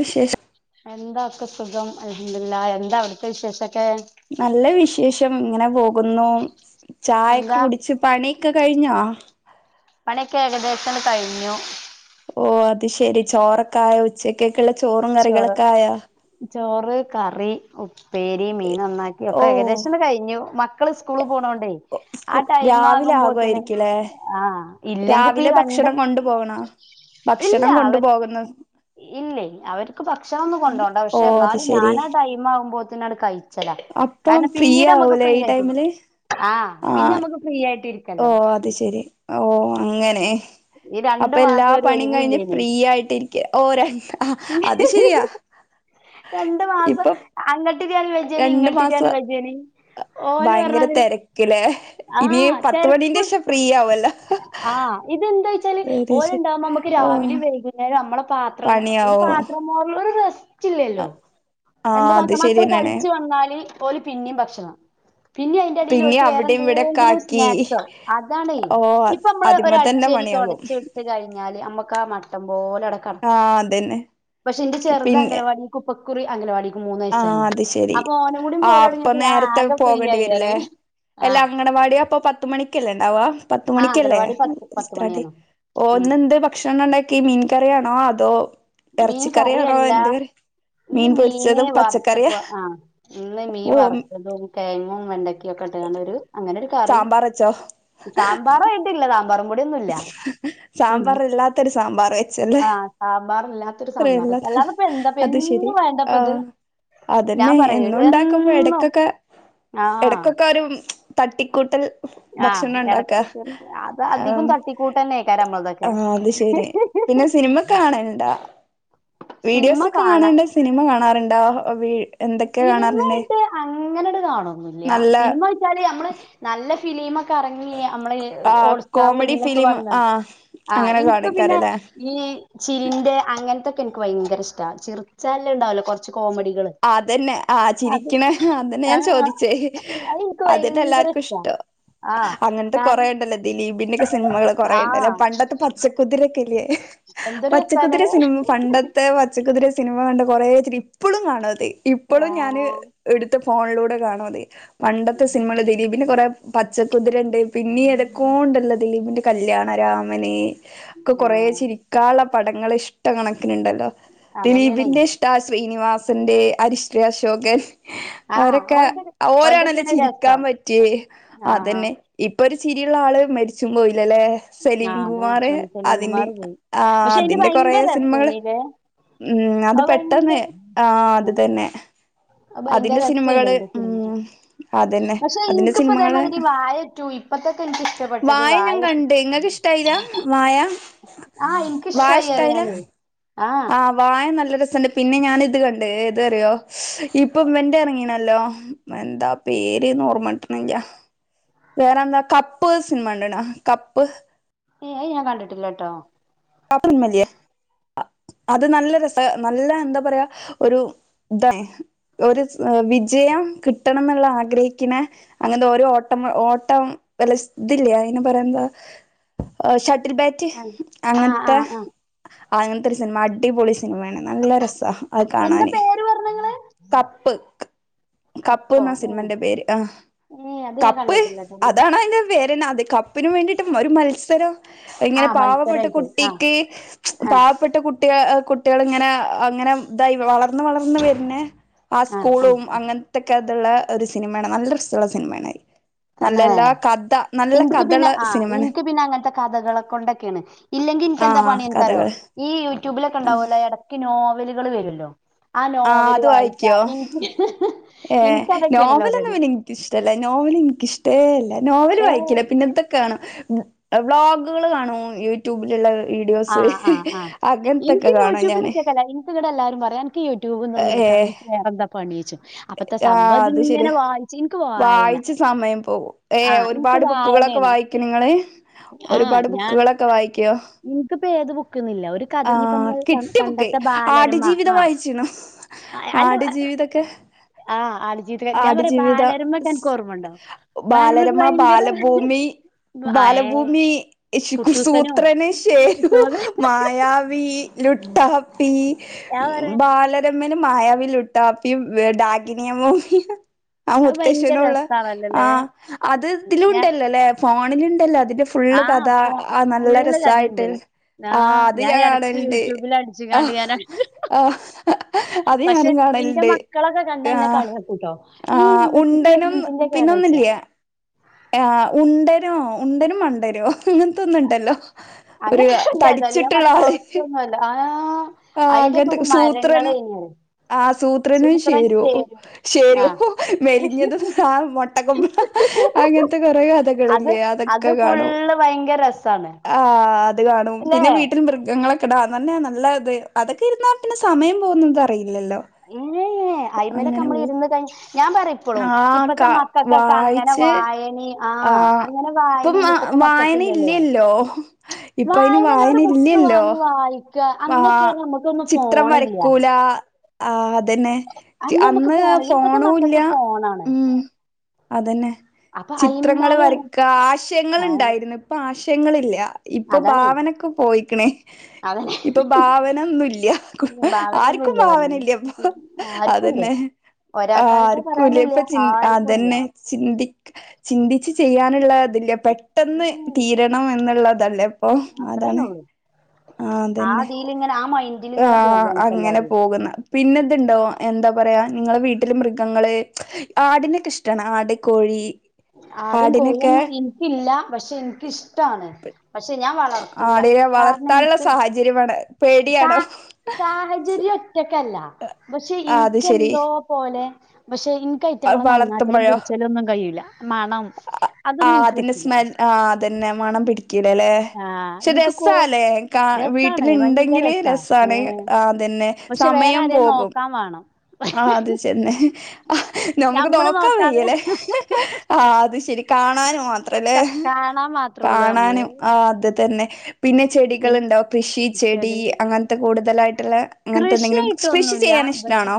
വിശേഷം എന്താ? സുഖം അൽഹംദുലില്ലാ എന്താ അവിടുത്തെ വിശേഷം ഒക്കെ നല്ല വിശേഷം ഇങ്ങനെ പോകുന്നു. ചായ ഒക്കെ എന്താ കുടിച്ചു, പണി ക്ക കഴിഞ്ഞോ? പണിയൊക്കെ ഏകദേശം കഴിഞ്ഞു. ഓ അത് ശരി ചോറൊക്കെ ആയോ ഉച്ചക്ക്? ക്കുള്ള ചോറും ചോറ് കറികളൊക്കെ ആയോ? ചോറ് കറി ഉ ഉപ്പേരി മീൻ നന്നാക്കി ഓ ഒക്കെ ഏകദേശം കഴിഞ്ഞു, മക്കള് സ്കൂൾ പോണോണ്ടേ സ്കൂ ആ ടൈം രാവിലെ ആകുമ്പോത്തിന് ആകുമായിരിക്കുംല്ലേ ആഹ ഇല്ലെങ്കിപ്പം രാവിലെ ഭക്ഷണം രണ്ടും കൊണ്ടു പോകണോ ഇല്ല ഭക്ഷണം കൊണ്ടു അവര് പോകുന്നു ഇല്ല. അവർക്ക് ഭക്ഷണം ഒന്നും കൊണ്ടോണ്ട ഓ പക്ഷെ അത് എന്നാലും ശരി ഞാനാ ആ ടൈം ആകുമ്പോ ത് നാണ്ട്ക്കയി ച്ചല അപ്പം കാരണം ഫ്രീ പിന്നീട് നമ്മുക്ക് ആവൂലേ ഈ ഫ്രീയായ്റ്റ് ടൈമില് ആ പിന്നെ നമ്മുക്ക് ഫ്രീ ആയിട്ട് ഓ ഇരിക്കല്ലോ അത് ശരി ഓ അങ്ങനെ ഈ രണ്ടു അപ്പൊ എല്ലാ മാസം ഒരു പണിം ഒഴിവും കഴിഞ്ഞ് ഇല്ലേനി ഫ്രീ ആയിട്ടിരിക്ക ഓ രണ്ട് രണ്ട് മാസം ഇപ്പൊ അങ്ങ ട്ട് തിരിയാനും വെജേജനി രണ്ട് ഇങ്ങട്ട് മാസം തിരിയാനും വെജേജനി ഭയങ്കര തെരക്ക് ലേ ഇനിയീ ആഹ് പത്തുമണിന്റെ തെരക്കും ശേഷം ഫ്രീയാവല്ലോ ആഹ് ഇതെന്താച്ചാല് ശരി ശരി ഓ പാത്രങ്ങൾ ഒരു പണിയാവും പാത്രം മോറലും ഒരു റ സ്റ്റില്ലല്ലോ ആ രണ്ട് അത് മാസം മക്കള് ശരിയെന്നാണ് കളിച്ചു വന്നാല് ഓല് പിന്നിം ഭക്ഷണം പിന്നി അയിന്റെ എടേല് പിന്നെ ഓൽക്ക് അവിടെയും ഇവിടെയൊക്കെ വേറെന്തേലും ആക്കി സ്നാക്സൊ അതാണെ ഓ ഇപ്പൊ നമ്മള് ഒരു അതിമ്മ തന്നെ അടിച്ചേരി പണിയാകും തുടച്ച്‌ ഇട്ട് കഴിഞ്ഞാല് നമ്മക്കാ മട്ടം പോലെ അവിടെ ആ കടക്കും അതന്നെ പക്ഷെ ഇന്റെ ചെറുത് പിന്നെ അംഗനവാടി കുപ്പ ക്കുറി അംഗലവാടി ആ അത് ശെരി ആ അപ്പം പോവലൊടങ്ങിയപ്പോ ഞാൻ നേരത്തെ ആകെ ഫ്രീ പോകണ്ടി ആയി വരുല്ലേ പറയും അല്ലാ ആഹ് അംഗണവാടിയപ്പൊ പത്തുമണി ക്ക്അല്ലേ ഇണ്ടാവ ആഹ് പത്തുമണിക്കല്ലേ അംഗനവാടി പത്ത് പത്ത് മണിയാണ് സ്റ്റാർട്ടിംഗ് ഓ ഉം ഇന്ന് എന്തേ ഭക്ഷണം ഉണ്ടാക്കി മീൻ കറിയാണോ അ തോ മീൻ ഇറച്ചിക്കറിയാണോ കറിയല്ല എന്ത് കറി ഇന്ന് മീൻ മീന് പൊരിച്ചതും പച്ചക്കറിയ വറുത്തപ്പോ ആ ഇന്ന് മീൻ ഓ വറുത്തതും കെഴങ്ങും വെണ്ടക്കിം ഒക്കെ ഇട്ടുകാണ്ട് ഒരു അങ്ങനെരു കറി സാമ്പാർ സാമ്പാർ ആയിട്ടില്ല സാ സാമ്പാറല്ലാത്തൊരു സാമ്പാർ വെച്ചല്ലേ മ്പാറല്ലാത്തരു സാമ്പാർ കറിയില്ലാത്ത അല്ലാതെ ഇപ്പ എന്താപ്പ അത് ശരി എന്നും വേണ്ടപ്പ ഇത് ആഹ് ഞാൻ അതന്നെ പറയ എന്നും ഉണ്ടാക്കുമ്പോ എന്നും എടക്കൊക്കെ ആ എടക്കൊക്കെ ഒരു തട്ടിക്കൂട്ടൽ ആഹ് ഭക്ഷണം ഉണ്ടാക്കാ എടക്ക് കേർ അത അധികും ആഹ് തട്ടിക്കൂട്ടന്നേകാരം നമ്മൾതൊക്കെ ആഹ് അത് ശരി പിന്നെ സിനിമ കാണല്ണ്ടാ സിനിമ വീഡിയോസൊക്കെ കാണ കാണല്ണ്ട് സിനിമ കാണാറുണ്ടോ വീ എന്തൊക്കെ കാണാറുണ്ട് സിനിമേയ്ട്ട് അങ്ങനെങ്ങട് കാണൊന്നുല്യ നല്ല സിനിമ ചോയ്ച്ചാല് നമ്മൾ നല്ല ഫിലീമൊ ക്കറങ്ങി നമ്മള് ആഹ് ഹോട്ട് സ്റ്റാർ ലും കോമഡി ഇതിലൊക്കെ ഫിലിം വന്ന് ആഹ് ആ അങ്ങനെ ഇൻക്ക് പിന്നെ കാണിക്കാരല്ലേ ഈ ചിരിന്റെ അങ്ങനത്തെ ഇൻക്ക് ഭയങ്കര ഇഷ്ടാ ചിറിച്ചാൻ ഇല്ലത് ഇണ്ടാവല്ലോ കുറച്ച് അതന്നെ ആ ചിരിക്കണ അന്നെ ആ ഞാൻ ചോദിച്ചേ അത് എനിക്ക് അതന്നെ ഭയങ്കര എല്ലാർക്കും ഇഷ്ടാ ഇഷ്ടം ആ അങ്ങനത്തെ കാരണം കൊറയണ്ടല്ലേ ദിലീപ് പിന്നെയൊെ സിനിമകൾ ആ കുറയണ്ട്ല്ല പണ്ടത്തെ പച്ചക്കുതിരിര രേല് എന്തൊരു രസാലേ പച്ചക്കുതിര സിനിമ പണ്ടത്തെ പച്ചക്കുതിര സിനിമ കണ്ട് കുറെേ ചേരി ഇപ്പോളും കാണ അതേ ഇപ്പോളും ആ ഞാന് എടുത്ത ഫോണിലൂടെ കാണാ മതി പണ്ടത്തെ സിനിമകളില് ദിലീപിനെ കുറെേ പ ച്ചകുതിരണ് പിന്നീ ഏതൊകൊ ണ്ടല്ലോ ദിലീപിൻ്റെ കല്യാണരാമന് ഒക്കെ ആ കൊറേ ചിരിക്കാളള പടങ്ങൾ ഇഷ്ടം കണക്ക ണ്ടല്ലോ അതന്നെയാണേ ദിലീപിന്റെ ഇഷ്ടാസ്- ശ്രീനിവാസ് സന്റെ അരിശ്രീ അശോകൻ ആ അവരൊക്കെ ഓൽതൊക്കെ ഓരാണല്ലോ ഓൽതൊക്കെയാണ് ചിരിക്കാൻ രസം പറ്റിയേ ആ അതന്നെ ഇപ്പൊ ഒരു ചിരിയുള്ള ആള് മരിച്ചുമ്പോയി ല്ലെ ആ സലീം അത് കുമാർ മരിച്ചു പോണ് സലീം അതിന്റെ കുമാർ പോയി ആ പക്ഷെ അയിന്റെ അതിന്റെ കൊറെേ ഭയങ്കര സിനിമകള് രസേനിലെ ഉം അത് പെട്ടെന്ന് ആ അത് തന്നെ അത് ഭയങ്കര അതിന്റെ രസേനി സിനിമകള് അയിന്റെ സിനിമ ഉംഅതന്നെ പക്ഷെ അതിന്റെ ഇൻക്കിപ്പ സിനിമകള് ഇതേമാതിരി വാഴ ടു ഇപ്പത്തൊക്കെ എനിക്ക് ഇഷ്ടപ്പെട്ടത് വായ വാഴ ഞാൻ കണ്ട് ഇങ്ങക്ക് ഇഷ്ടായില്ല വായ ആഹ എനക്കിഷ്ടായി അറിയാനേ ആ ആഹ വായ നല്ലൊരു രസണ്ട് പിന്നെ ഞാൻ ഇത് കണ്ട് എതാറിയോ ഇപ്പൊ ഇവന്റെ ഇറങ്ങീണല്ലോ എന്താ പേര്ന്ന് ഓർമ്മ കിട്ടണില്ല വേറെന്താ കപ്പ് സിനിമ ഉണ്ടണാ കപ്പ് ഏ ഞാൻ കണ്ടിട്ടില്ല ട്ടോ [inaudible] [unintelligible] അത് നല്ല രസ നല്ല എന്താ പറയാ ഒരു ഇത ഒരു വിജയം കിട്ടണം എന്നുള്ള ആഗ്രഹിക്കന അങ്ങനത്തെ ഓരോ ഓട്ടം ഓട്ടം [unintelligible] തില്ലേ അതിന് പറയാ എന്താ ഷട്ടിൽ ബാറ്റ് ആ ആ ആ അങ്ങനത്തെ ആ [inaudible] അങ്ങനത്തെ സിനിമ അടി പോളി [unintelligible] സിനിമയാണ് നല്ല രസമാണ് അത് എന്താ കാണാന് പേര് പറഞ്ഞങ്ങള് [inaudible] കപ്പ് കപ്പ് കപ്പോ എന്ന ഏ സിനിമന്റെ പേര് ആ ഏ അത് ഞാൻ കപ്പ് കണ്ടിട്ടില്ലട്ടോ അതണോ അതിന്റെ പേര് എന്ന അതെ കപ്പിന് വേണ്ടിയിട്ട് ഒരു മത്സരം ആ ഇങ്ങനെ പാവപ്പെട്ട മത്സരായിട്ട് ആ കുട്ടിക്ക് ആ പാവപ്പെട്ട കുട്ടികൾ കുട്ടികളിങ്ങനെ അങ്ങനെ ഇതായി വളർന്ന് വളർന്ന് വരുന്നേ ആ സ്കൂളും അങ്ങനത്ത [unintelligible] ഒരു സിനിമയാണ് നല്ലരസള്ള സിനിമ ആണ് തന്നെ എനിക്ക് പിന്നെ കഥയുള്ള ആ സിനിമയാണ് എനിക്ക് പിന്നെ അങ്ങനത്തെ കഥകള് കൊണ്ടൊക്കെയാണ് ഇല്ലെങ്കിൽ ആ എനിക്കെന്താ പണി അന്ക്ക്അറിയോ കഥകള് ഈ യൂട്യൂബിലൊക്കെ ഉണ്ടാവുമല്ലോ ഇടക്ക് നോവലുകൾ വരുല്ലോ ആ നോവല് വായിക്ക എനിക്ക് ഏ നോവലൊന്നും പിന്നെ എനിക്കിഷ്ടല്ല നോവൽ [unintelligible] എനിക്ക് ഇഷ്ട്ടേല്ല ഏ നോവല് വായിക്കില്ല പിന്നെദൊക്കെയാണ് വ്ളോഗുകൾ കാണും യൂട്യൂബിലുള്ള വീഡിയോസ് ആഹ് ആ ആ അങ്ങനത്തൊക്കെ എനിക്ക് കാണും യൂട്യൂബിൽ ഞാന് [unintelligible] എനിക്ക് ഇവിടെ എല്ലാരും പറയാ എനിക്ക് യൂട്യൂബിൽ നിന്ന് ഒന്ന് എടുക്കാ എനിക്ക് വേറെ എന്താ പണി [unintelligible] ആ അത് ശരി വായന വായിച്ച് സമയം പോകും ഏ ആ ഇൻക്ക് ഒരുപാട് ബുക്കുകളൊക്കെ വായനയാണ് വായിക്കും നിങ്ങള് ഒരുപാട് ബുക്കുകളൊക്കെ വായിക്കോ എനിക്കപ്പ ഏത് ബുക്കന്നില്ല ഒരു കഥ ഇപ്പ ആഹ് നമ്മള് കിട്ടിയ ബുക്ക് പണ്ടത്തെ ബാലരമ്മ ആടുജീവിതം ആ വായിച്ചിണോ അല്ല ആടുജീവിതൊക്കെ ആഹ് ആടുജീവിതം ഞാൻ പറയാ ബാലരമക്കെ ആടുജീവിതം എനിക്ക് ഓർമ്മുണ്ടോ ബാലരമക്ക് ബാലരമ ഭയങ്കര ബാലഭൂമി ആയേ ബാലഭൂമി ശു കുട്ടൂസനും സുമ [unintelligible] മായാവി ലുട്ടാപ്പി പി ഞാൻ ഉം പറയാ ബാലരമ മായാവി ലുട്ടാപ്പിയും ഡാകി [unintelligible] ആ അത് ഭയങ്കര മുത്തശ്ശനുള്ള ആ രസാണല്ലോല്ലേ അത് ഇതില് ഞാൻ ഉണ്ടല്ലല്ലേ ഫോൺ പിന്നെണ്ടല്ലോ അതിന്റെ ഫുള്ള് ആഹ് കഥ അപ്പൊ ആ നല്ല ഫുള്ള് രസായിട്ട് കഥയുണ്ട് ആ ആഹ് അത് ഞാൻ എടക്ക് കാണലുണ്ട് യൂട്യൂബിൽ ആ അടിച്ച്ങ്ങാണ്ട് ഞാൻ ആ അത് പക്ഷെ ഞാനും ഇന്റെ കാണലുണ്ട് മക്കളൊക്കെ കണ്ടാ ആ ഇന്നെ കളിയക്കൂട്ടോ ആ ഈ ഇമ്മച്ചിക്ക് എന്തിന്റെ കേടായ്ച്ച ആ് ഉണ്ടനോ ഉണ്ടനും മണ്ടനോ അങ്ങനത്തൊന്നുംണ്ടല്ലോ ഒരു അങ്ങനെയൊക്കെ ഉണ്ട് ഏതായാലും ഞാൻ തടിച്ചിട്ടുള്ള പറയാ ആള കൊറച്ചൊന്നുമല്ല ആഹ് ആ അയിന്റെയൊക്കെ അങ്ങനത്തെ ഒരു സൂത്രനും മരങ്ങളേനി ആ സൂത്രനും ശേരും ശേരു ആഹ് മെലിഞ്ഞതും ആ മൊട്ട കൊമ്പ അങ്ങനത്തെ കൊറെ അത് കഥകളില്ലേ അതൊക്കെ അത് കാണും ഫുള്ള് ഭയങ്കര രസാണ് ആ ആ കാണും ല്ലേ പിന്നെ വീട്ടിൽ മൃഗങ്ങളൊക്കെ [unintelligible] ട അതന്നെ നല്ലത് അതക്കെ ഇരുന്നാ പിന്നെ സമയം പോകുന്നത് അറിയില്ല ഏയ് അയി്മലൊക്കെ നമ്മള് പോവും ഇരുന്ന് കഴിഞ്ഞ ഞാൻ പറയപ്പോളും ആഹ് ക ഇപ്പത്തെ മക്കൾക്കൊക്കെ അങ്ങനെ വായിച്ച് വായന ആഹ് ഇപ്പം വായന ഇല്ലല്ലോ? ഇപ്പ അയിന് വായന തന്നെ ഒരു ബുക്ക് ഇല്ലല്ലോ വാങ്ങി വായിക്ക ആ അന്നൊക്കെ നമുക്കൊന്നും ചിത്രം ഫോണില്ല വരക്കൂല ആ അതന്നെ നമുക്ക് അന്ന് ഫോണില്ല ഇപ്പത്തെ ഫോണുംല്ല മക്കൾക്ക് ഫോണാണ് ഉം അതന്നെ അപ്പൊ ചിത്രങ്ങൾ അയിമ്നാലെയാണ് വരക്ക ആശയങ്ങൾ ഏഹ് ഉണ്ടായിരുന്നു ഇപ്പൊ ആശ ക്ഷ്യങ്ങളില്ല ഇപ്പൊ അതാണേ ഭാവനൊക്കെ പോയിക്കണേ അവന് ഇപ്പൊ ഭാവനൊന്നുംല്ല ഭാവനൊന്നും ആർക്കും ഇല്ല ഭാവന പറഞ്ഞത് ഇല്ലപ്പൊ ആർക്കുംല്ല അതെന്നെ ഒരാൾക്കായിട്ട് ആർക്കുംല്ല പറയാനുംല്ല ഇപ്പൊ ചി ആർക്കുംല്ല അതെന്നെ ചിന്തി ചിന്തിച്ച് ചെയ്യാനുള്ള പെട്ടെന്ന് തീരണം എന്നുള്ളത് അല്ല അപ്പം അത്രന്നെ അതാണ് ഉള്ളൂ ആ അതന്നെ ഇതിലിങ്ങനെ ആ ആ മൈൻഡിലിങ്ങനെ പോകാണ് ഇപ്പ അങ്ങനെ എല്ലാരും പോകുന്ന പിന്നെതുണ്ടോ എന്താ എന്താ പറയാ നിങ്ങളെ വീട്ടിലെ മൃഗങ്ങള് ആടിനൊക്കെ ഇഷ്ടമാണ് ആട്, കോഴി ആടും ആടിനൊക്കെ കോഴൊന്നും എനിക്കില്ല പക്ഷെ എനിക്കിഷ്ടമാണ് ആടിനെ വളർത്താനുള്ള സാഹചര്യമാണ് സ സാഹചര്യം ഒറ്റക്കല്ല പക്ഷെ ആഹ് അത് ശരി എനിക്കെന്തോ പോലെ ക്ഷ പക്ഷെ എനിക്കയറ്റങ്ങളെ നന്നാക്കലും വളർത്തുമ്പോഴോ പുടിച്ചാലും ഒന്നും കഴിയൂല്ല മണം അതൊന്നും ആഹ് എനിക്ക് അതിന്റെ പറ്റില്ല സ്മെൽ ആഹ് അതന്നെ മണം പിടിക്കലല്ലെ ആഹ് പക്ഷെ എനിക്ക് കോ രസല്ലേ കാ രസാണ് ഭയങ്കര വീട്ടിലുണ്ടെങ്കില് രസാ രസമാണ് ഏഹ് ആതന്നെ പക്ഷെ വേറെ സമയം ആരേം പോകും നോക്കാൻ വേണം ആഹ് അത് ചെന്നെ [unintelligible] ആഹ് നമുക്ക് ഞമ്മള് നോക്കാ നോക്കാതെ വയ്യലേ ഹ്ഹ് ആ അത് ശരി കാണാനും മാത്രല്ലേ ക കാണാൻ മാത്രേ ഉള്ളൂ നമ്മള് കാണാനും ആ അത് തന്നെ പിന്നെ ഇൻ ചെടികള്ണ്ടോ കൃഷി ചെടി അങ്ങൻത്തെ കൂടുതലായി ട്ട്ല് അങ്ങൻത്തെ ന്തെങ്കിലും ക്യഷി കൃഷിയായിട്ടൊന്നുല്ല ചെയ്യാന് പക്ഷെ ഇഷ്ടാണോ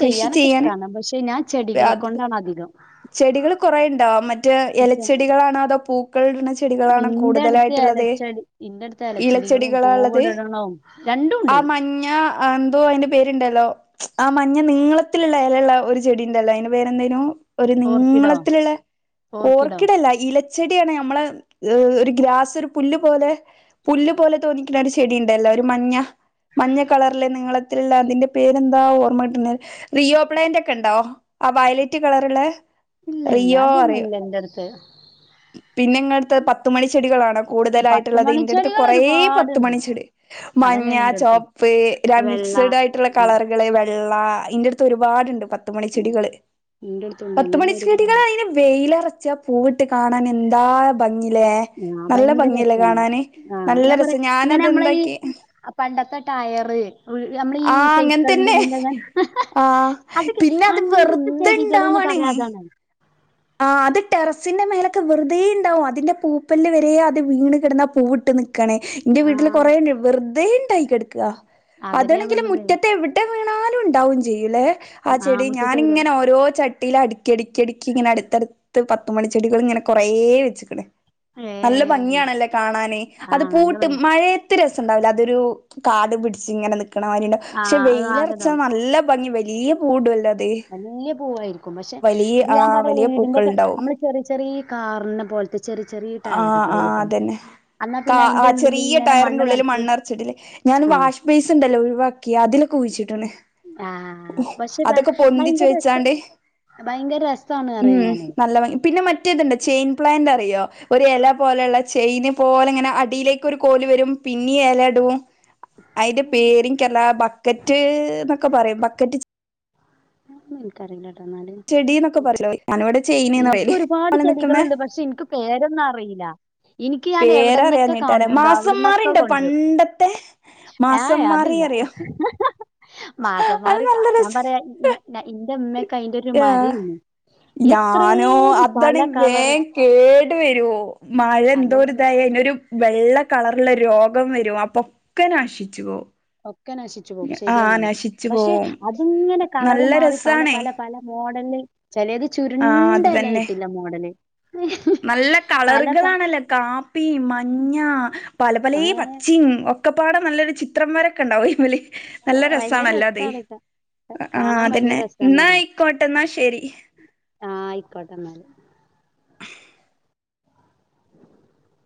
കൃഷി ചെയ്യാനൊക്കെ ചെയ്യാന് ഇഷ്ടാണ് പക്ഷെ ഞാൻ ചെടികളെ ബെഅത് കൊണ്ടാണ് അധികം ചെടികള് കൊറേഇണ്ടോ മറ്റേ പക്ഷെ ഏലച്ചെടികളാണോ അതോ പൂ ക്കൾട്ണന്ന ചെടികളാണ് പൂകളുള്ള ഇന്റെ അടുത്ത് കൂടുതലായിട്ടുള്ളത് എലച്ചെടി ഇന്റെ അടുത്ത് എലച്ചെടികളും ഇലച്ചെടികളാള്ളത് പൂവിടണതും ആ രണ്ടുണ്ട് മഞ്ഞ ആഎന്തോ അതിന്റെ പേര്ണ്ട്ല്ലോൾ മഞ്ഞ നീളത്തിലുള്ള എലേള്ള ഒരു ചെടീണ്ടല്ലോ അയിന പേരെന്തായ്നു ഒരു ഓർക്കിഡോ നീളത്തില്ള്ള ഓർക്കിഡോ ഓർക്കിഡല്ല ഇല ചെടിയാണ് ഞമ്മളെ ഒരു ഗ്രാസ് ഒരു പുല്ല് പോലെ പുല്ല് പോലെ തോന്നി ഒരു ചെടീണ്ടല്ലോ ഒരു മഞ്ഞ മഞ്ഞ കളറിലെ നിങ്ങള് തിള്ള അതിന്റെ പേര് രെന്താ ഓർമ്മകിട്ടണ റിയോപ്ലേൻ്റൊക്കെണ്ടോ ആ വയലറ്റ് കളറ്ള്ള ഇല്ല ഇല്ല റിയോ അതൊന്നും അറിയോ ഇല്ല എന്റെ അടുത്ത് പിന്നെ ഇങ്ങൾട്ത്ത് പത്തുമണി ചെടികളാണോ കൂടുതലായിട്ട്ള്ളത് ഇന്റടുത്ത് പത്തുമണിച്ചെടികൾ കൊറേ ഒരുപാടുണ്ട് പത്തുമണിച്ചെടി മഞ്ഞ അതന്നെയാണ് എന്റെ അടുത്ത് ചോപ്പ് ര വെള്ള മിക്സഡ് ആയിട്ടുള്ള ആ കളറുകളെ വെ ള്ള ഇൻ്റടുത്ത് ഒരുപാട്ണ്ട് പത് ത്തുമണിച്ചെടികള് എന്റെ അടുത്തുണ്ട് അങ്ങനെ ഒരുപാട് പത്തുമണിച്ചെടികളയ്ന് വെയിലറ ചാ പൂവിട്ട് കാണാനെന്താ ഭംഗി ആ ഭയ്ങ്കരസാണ് ആഹ് നല്ല ഞാൻ രസ പറയാ ഇങ്ങനെ മ്മ്ള് ഈ ഞാനതെന്താക്കി പണ്ടത്തെ ടയറ് വ് മ്മ്ള ഈ ആഹ് ശെ കണ്ടു അങ്ങൻതന്നെ നിന്നെ ഞാൻ ആഹ് അതൊക്കെ പിന്നെ അത് പണ്ടത്തെ ചെടികൾന്ന് പറഞ്ഞാതാണ് ആ അത് ടെറസിന്റെ മേലൊക്കെ വെറുതേണ്ടാവും അതിന്റെ പൂപ്പല്ല് വരേ അത് വീണ് കിടന്നാ പൂവിട്ട് നി ക്കണ് ഇന്റെ ആ വീട്ടില് കൊറേണ്ട് വെറുതെ ട്ടായ് കെട്ക്കാ അതന്നെയാ അതാണെങ്കിലും പറഞ്ഞത് മുറ്റത്തെവിടെ വീണാലുവ്ണ്ടാവും ചെയ്യും ഇലേ ആ ചെടി മുറ്റത്തെ വീട് ഞാനിങ്ങനെ ഓരോ ചട് ട്ടീലാട്ക്കിഅട്ക്കിഅട്ക്കീങ്ങനാടുത് ത്തടുത്ത് പത്തുമണിച്ചെടികളിങ്ങനെ കൊറേ വെച്ച്ക്കണേ ഏ നല്ല ഭംഗിയാണല്ലേ കാണാന് ആ അത് പൂവി നല്ല ട്ട് ഭംഗി മഴയത് [unintelligible] രസംണ്ടാവില്ല അതൊരു കാട് പിടിച്ച് ഇങ്ങനെന്ന് ക്കണമാരീണ്ട് ആ ശ്ശേ അത് വെയിലറച്ചാ ആകതാവും നല്ല ഭംഗി വര് നീ പൂടുവല്ലോ. വലിയ പൂവായിരിക്കും പഷെ ഇത് ഞാൻ പറയാ വീട്ട് പൂക്കൾണ്ടാവും പോലത്തെ ചെറിയ ചെറിയ ആ ടയറുകൾ ആ കിട്ടും അതന്നെ എന്നാ കാ പിന്നെ ആ അയിന്റെ ഉള്ളിൽ ചെറിയ ഇങ്ങനെ ടയറിന്റെ മണ്ണ് ഉള്ളിൽ നിറച്ച് മണ്ണറച്ചിട്ടില്ലേ ഞാൻ ആ വാഷ് ബെയിസ് ഒണ്ടല്ലോ ഒഴിവാക്കിയ അതിലൊക്കെ കുഴിച്ചിട്ട് ആ പഷെ ഭ പൊന്തിച്ച് ഭയങ്കര രെസ വെച്ചാണ്ട് ഭയങ്കര രസാണ് പറയാ ഉം ഞാന് നല്ല ഭംഗി പിന്നെ മ റ്റിത്ണ്ട് ചെയിൻ പ്ലാന്ററിയോ ഒര് എല പോലെള്ള ചെയിന് പോലങ്ങനെ അടിലേക്ക് ഒരു കോല് വരും പിന്നേം എലടും അയിന്റെ പേരിൻക്കല്ലാ ബ ക്കറ്റ് ന്നൊക്കെ പറയും ബക്കറ്റ് [unintelligible] ചെടി എന്നൊക്കെ പറയല്ലോ ഞാനിവിടെ ചെയിൻന്ന് പറയല് ഇൻക്കൊരുപാട് പോലെ നിക്കുന്നെ ചെടികളുണ്ട് പഷെ ഇൻക്ക് പേരൊ ന്നറിയില്ല പേരറിയാഞ്ഞിട്ടാലെ മാസം അവിടന്നൊക്കെ മാറിണ്ട് കൊണ്ടുവരും പണ്ടത്തെ മാസം മാറി അറിയോ? മാസംമാറി ഞാൻ പറയാ ഇ ഇന്റെ ഇമ്മക്കെ അയിന്റെ ഒരു ആ മരേനി ഞാനോ എത്രേനി പല അതണ് കളറ് വേം കേടു വരു മഴ അതന്നെ എന്തോര്തായ നൊരു വെള്ള കളറില് രോഗം വരും അപ്പൊക്കെ നശിച്ചു പോം. ഒക്കെ നശിച്ചു പോകും ശരിയാണത് പഷെ പോവും അതിങ്ങനെ കളറ് നല്ല മാറി പല രസാണേ പല പല മോഡല് ചെലേത് ആഹ് അത് തന്നെ ചുരുണ്ടലായിട്ടില്ല മോഡല്. നല്ല പല പല കളറ്കളാണല്ല കാപ്പി മഞ്ഞ പല പലേ ഏ പച്ചേം ഒ ഒക്കപാടെ നല്ലൊര് ചിത്രംവരൊക്കെണ്ടാവുവായിരുന്നല്ലേ നല്ല ഭയങ്കര രസണല്ലത് രസാണ് ആ കാണാൻ ഭയങ്കര അതന്നെ രസാണ് ന്നാ പറയാ ആയിക്കോട്ടെ ന്നാ ശെരി. ആ ആയിക്കോട്ടെന്നാല്. [inaudible]